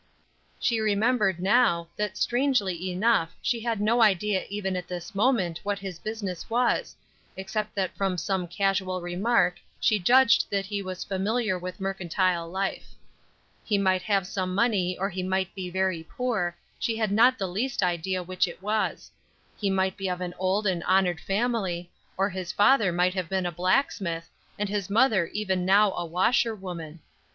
She remembered now, that strangely enough she had no idea even at this moment what his business was, except that from some casual remark she judged that he was familiar with mercantile life; he might have some money or he might be very poor, she had not the least idea which it was; he might be of an old and honored family, or his father might have been a blacksmith, and his mother even now a washer woman.